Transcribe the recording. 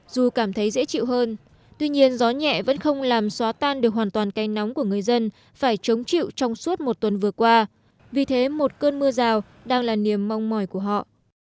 dù cảm thấy dễ chịu hơn tuy nhiên gió nhẹ vẫn không làm xóa tan được hoàn toàn cây nóng của người dân phải chống chịu trong suốt một tuần vừa qua vì thế một cơn mưa rào đang là niềm mong mỏi của họ